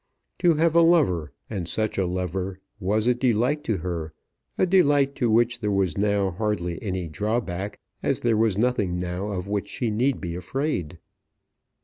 To have a lover, and such a lover, was a delight to her, a delight to which there was now hardly any drawback, as there was nothing now of which she need be afraid.